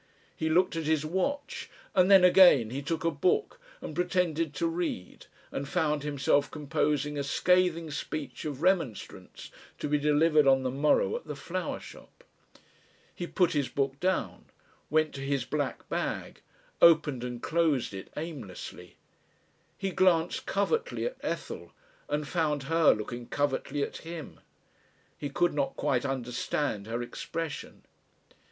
He looked at his watch and then again, he took a book and pretended to read and found himself composing a scathing speech of remonstrance to be delivered on the morrow at the flower shop. He put his book down, went to his black bag, opened and closed it aimlessly. He glanced covertly at Ethel, and found her looking covertly at him. He could not quite understand her expression.